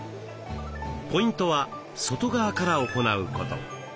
ポイントは外側から行うこと。